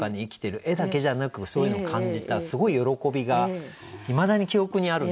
絵だけじゃなくそういうのを感じたすごい喜びがいまだに記憶にあるんですよ。